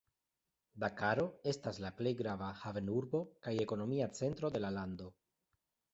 Dakaro etas la plej grava havenurbo kaj ekonomia centro de la lando.